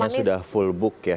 memang sudah full book ya